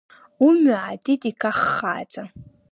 Умҩа аатит икаххааӡа.